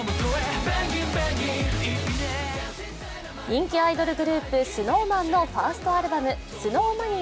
人気アイドルグループＳｎｏｗＭａｎのファーストアルバム「ＳｎｏｗＭａｎｉａＳ１」。